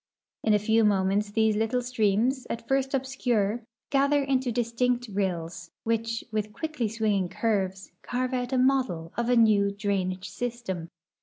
In a few moments these little streams, at first obscure, gather into distinct rills, which, with quickly swinging curves, carve out a model of a new drainage system.